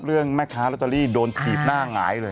เรื่องแม่ค้าลอตเตอรี่โดนถีบหน้าหงายเลย